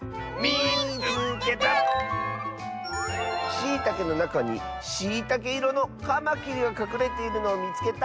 「しいたけのなかにしいたけいろのカマキリがかくれているのをみつけた！」。